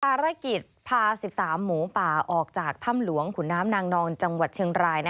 ภารกิจพา๑๓หมูป่าออกจากถ้ำหลวงขุนน้ำนางนอนจังหวัดเชียงราย